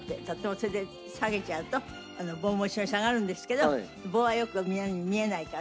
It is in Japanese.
それで下げちゃうと棒も一緒に下がるんですけど棒はよく見えないから。